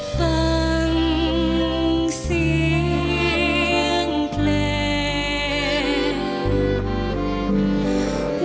ฟังเสียงเพลง